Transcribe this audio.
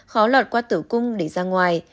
khó lọt qua tử cung để ra ngoài